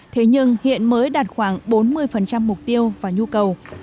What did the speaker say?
thế nhưng hiện mới đạt khoảng bốn mươi mục tiêu và nhu cầu